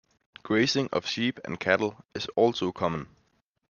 Grazing of sheep and cattle is also common.